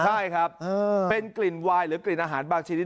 ใช่ครับเป็นกลิ่นวายหรือกลิ่นอาหารบางชนิด